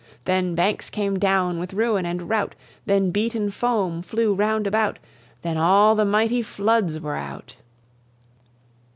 Then bankes came downe with ruin and rout Then beaten foam flew round about Then all the mighty floods were out.